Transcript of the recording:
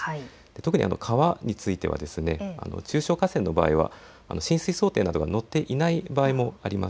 特に、川については中小河川の場合は浸水想定などが載っていない場合もあります。